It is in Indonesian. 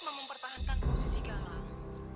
mempertahankan posisi galang